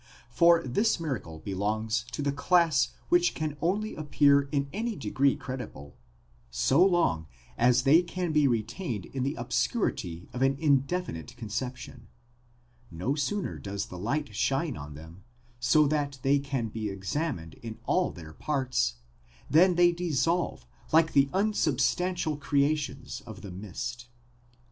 4? For this miracle belongs to the class which can only appear in any degree credible so long as they can be retained in the obscurity of an indefinite conception : 18 no sooner does the light shine on them, so that they can be examined in all their parts, than they dissolve like the unsubstantial creations of the mist.